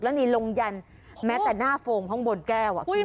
แล้วนี่ลงยันแม้แต่หน้าโฟมข้างบนแก้ว